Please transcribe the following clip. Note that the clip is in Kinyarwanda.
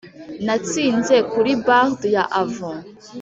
natsinze kuri bard ya avon. "